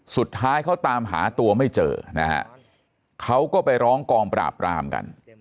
สุดท้ายเขาตามหาตัวไม่เจอนะฮะเขาก็ไปร้องกองปราบรามกัน